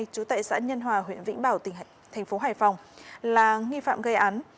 trú tẩy xã nhân hòa huyện vĩnh bảo tp hải phòng là nghi phạm gây án